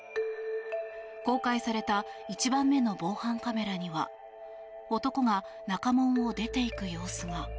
公開された１番目の防犯カメラには男が中門を出て行く様子が。